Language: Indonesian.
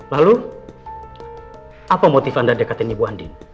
lalu apa motif anda dekatin ibu andi